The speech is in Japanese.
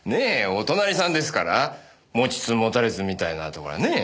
お隣さんですから持ちつ持たれつみたいなところはねえ？